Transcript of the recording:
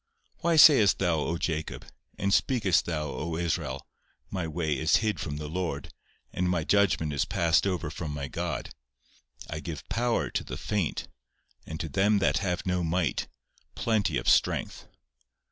Why sayest thou, O Jacob, and speakest, O Israel—my way is HID from the Lord, and my judgment is passed over from my God! I give POWER to the FAINT, and to them that have no might, plenty of strength."